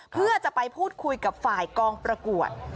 เพื่อจะไปพูดคุยกับฝ่ายกองประกวด